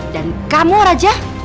dan kamu raja